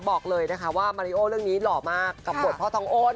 บอกเลยนะคะว่ามาริโอเรื่องนี้หล่อมากกับบทพ่อทองโอน